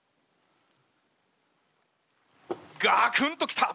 ガクンと来た！